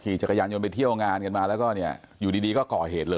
จักรยานยนต์ไปเที่ยวงานกันมาแล้วก็เนี่ยอยู่ดีก็ก่อเหตุเลย